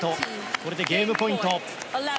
これでゲームポイント。